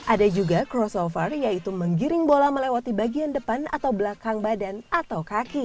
ada juga crossover yaitu menggiring bola melewati bagian depan atau belakang badan atau kaki